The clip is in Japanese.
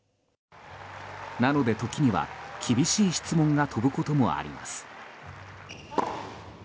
なので時には、厳しい質問が飛ぶこともあります。